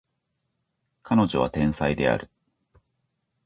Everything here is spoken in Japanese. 彼女は天才である